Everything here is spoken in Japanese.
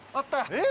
えっ？